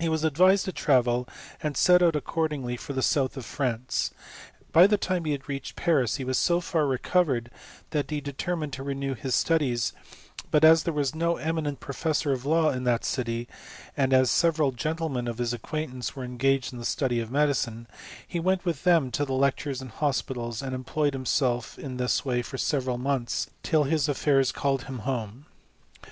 He was advised to travel, and set out accordingly for the South of France : by the time he reached Paris he was so far recovered that he determined to renew his studies; but as there was no eminent professor of law in that city, and as several gentlemen of his acquaintance were engaged in the study of medicine, he went with them to the lectures and hospitals, and employed him self in this way for several months, till his afiaurs called him home.